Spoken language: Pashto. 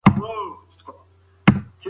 پوهه د کلتورونو ترمنځ واټن له منځه وړي.